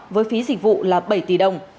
với phí dịch vụ là bảy tỷ đồng